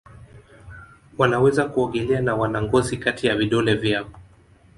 Wanaweza kuogelea na wana ngozi kati ya vidole vyao.